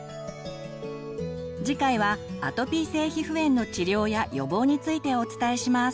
次回はアトピー性皮膚炎の治療や予防についてお伝えします。